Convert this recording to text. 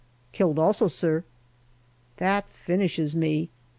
" Killed also, sir." That finishes me.